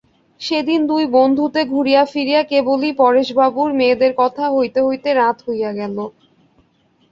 সেদিন দুই বন্ধুতে ঘুরিয়া ফিরিয়া কেবলই পরেশবাবুর মেয়েদের কথা হইতে হইতে রাত হইয়া গেল।